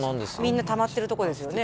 みんなたまってるとこですよね